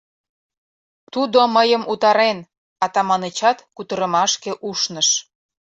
— Тудо мыйым утарен, — Атаманычат кутырымашке ушныш.